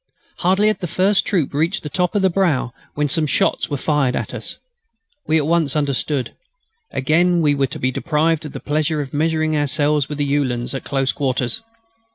Hardly had the first troop reached the top of the brow when some shots were fired at us. We at once understood. Again we were to be deprived of the pleasure of measuring ourselves with their Uhlans at close quarters.